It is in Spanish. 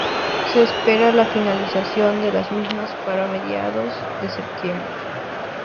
Se espera la finalización de las mismas para mediados de septiembre.